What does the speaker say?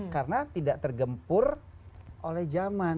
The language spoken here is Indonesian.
karena tidak tergempur oleh zaman